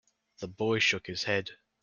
The boy shook his head.